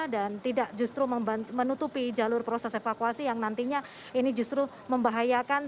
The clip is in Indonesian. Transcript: dan tidak justru menutupi jalur proses evakuasi yang nantinya ini justru membahayakan